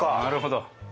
なるほど。